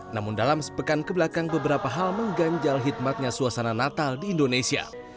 namun dalam sepekan kebelakang beberapa hal mengganjal hikmatnya suasana natal di indonesia